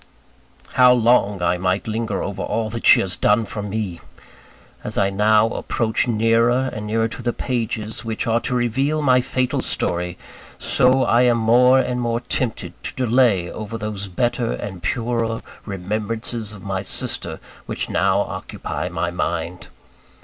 How long I might linger over all that she has done for me! As I now approach nearer and nearer to the pages which are to reveal my fatal story, so I am more and more tempted to delay over those better and purer remembrances of my sister which now occupy my mind.